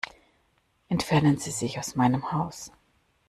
Entfernen Sie sich aus meinem Haus.